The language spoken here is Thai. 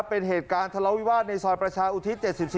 เป็นเหตุการณ์ทะเลาวิวาสในซอยประชาอุทิศ๗๔